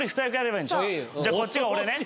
じゃあこっちが俺ね。